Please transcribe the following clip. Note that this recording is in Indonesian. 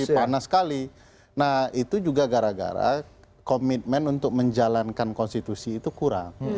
tapi panas sekali nah itu juga gara gara komitmen untuk menjalankan konstitusi itu kurang